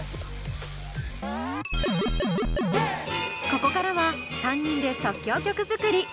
ここからは３人で即興曲作り。